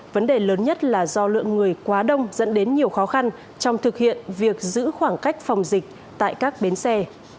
vấn đề lớn nhất là do lượng người quá đông dẫn đến nhiều khó khăn trong thực hiện việc giữ khoảng cách phòng dịch tại các bến xe